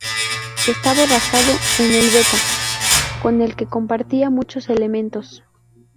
Estaba basado en el Beta, con el que compartía muchos elementos.